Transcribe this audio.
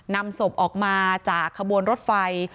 นำศพออกมาจากขบวนรถไฟ